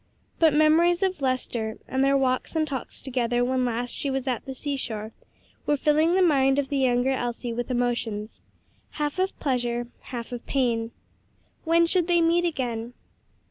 But memories of Lester, and their walks and talks together when last she was at the sea shore, were filling the mind of the younger Elsie with emotions, half of pleasure, half of pain. When should they meet again?